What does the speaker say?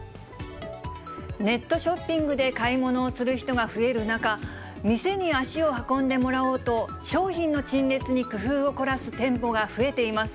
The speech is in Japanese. ネットショッピングで買い物をする人が増える中、店に足を運んでもらおうと、商品の陳列に工夫を凝らす店舗が増えています。